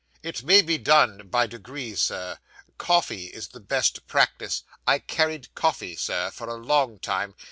'It may be done by degrees, Sir. Coffee is the best practice. I carried coffee, Sir, for a long time.